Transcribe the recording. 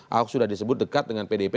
ahok sudah disebut dekat dengan pdip